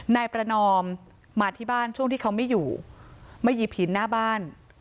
นายประนอมมาที่บ้านช่วงที่เขาไม่อยู่มาหยิบหินหน้าบ้าน